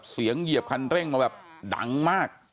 เสียงเหยียบคันเร่งมาดังมาก